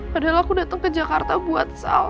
padahal aku datang ke jakarta buat sal